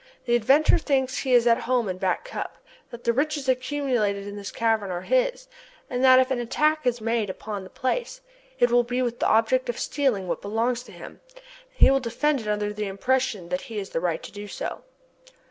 The inventor thinks he is at home in Back Cup, that the riches accumulated in this cavern are his, and that if an attack is made upon the place, it will be with the object of stealing what belongs to him! And he will defend it under the impression that he has the right to do so!